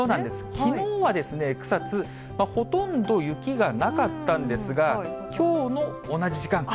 きのうは草津、ほとんど雪がなかったんですが、きょうの同じ時間。